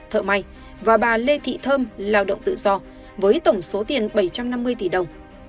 thợ may và bà lê thị thơm lao động tự do với tổng số tiền bảy trăm năm mươi tỷ đồng